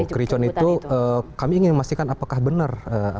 kericuan itu kami ingin memastikan apakah benar